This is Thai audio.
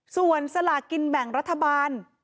ส่วนสลากินแบ่งรัฐบาล